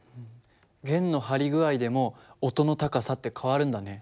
弦の張り具合でも音の高さって変わるんだね。